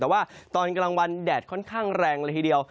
แต่ว่าตอนกลางวันแดดค่อนข้างแรงเลยทีเดียว